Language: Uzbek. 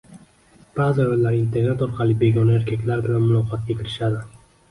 Ba’zi ayollar internet orqali begona erkaklar bilan muloqotga kirishadi.